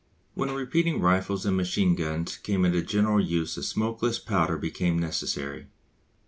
When repeating rifles and machine guns came into general use a smokeless powder became necessary.